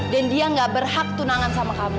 dan dia gak berhak tunangan sama kamu